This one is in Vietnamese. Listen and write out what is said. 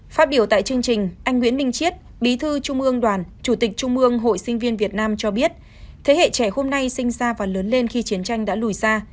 phát biểu tại chương trình anh nguyễn minh chiết bí thư trung ương đoàn chủ tịch trung ương hội sinh viên việt nam cho biết thế hệ trẻ hôm nay sinh ra và lớn lên khi chiến tranh đã lùi xa